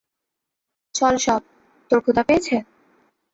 চল সব, তোর ক্ষুধা পেয়েছে?